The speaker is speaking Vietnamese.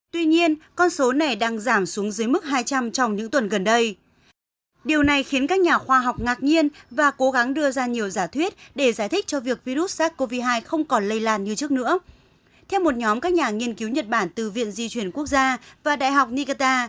theo một nhóm các nhà nghiên cứu nhật bản từ viện di chuyển quốc gia và đại học niigata